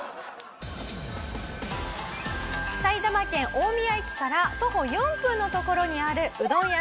埼玉県大宮駅から徒歩４分の所にあるうどん屋さんあかね。